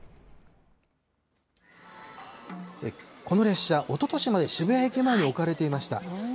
この列車、おととしまで渋谷駅前に置かれていました。